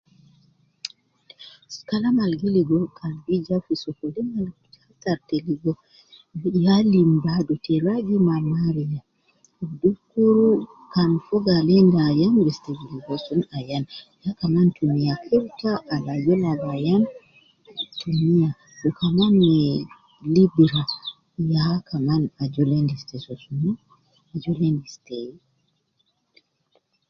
Kalam al gi ligo kan gi ja fi sokolin, ita te ligo ya lim badu te ragi ma mariya, dukuru kan fogo al endi ayan bes ta bi ligo sun, ayan, ya kaman tumiya kirta al ajol ab ayan tumiya wu kaman me libira ya kaman ajol endis te soo sunu, ajol endis te